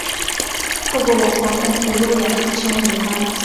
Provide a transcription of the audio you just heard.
透过网站公布优良厂商名单